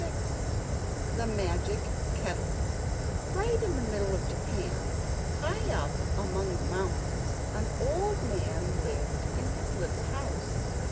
] The Magic Kettle Right in the middle of Japan, high up among the mountains, an old man lived in his little house.